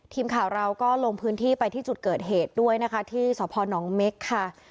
ทีมข่าวเราก็ลงพื้นที่ไปที่จุดเกิดเหตุด้วยนะคะที่สพนเม็กค่ะ